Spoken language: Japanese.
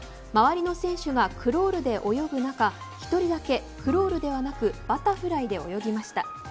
周りの選手がクロールで泳ぐ中１人だけ、クロールではなくバタフライで泳ぎました。